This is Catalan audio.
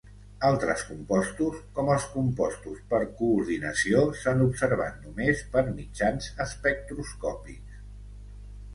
Altres compostos com els compostos per coordinació s'han observat només per mitjans espectroscòpics.